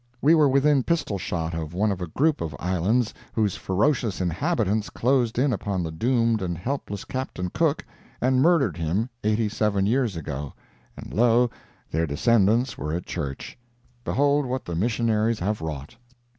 We were within pistol shot of one of a group of islands whose ferocious inhabitants closed in upon the doomed and helpless Captain Cook and murdered him, eighty seven years ago; and lo! their descendants were at church! Behold what the missionaries have wrought!